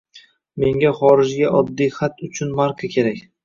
Menga xorijga oddiy xat uchun marka kerak.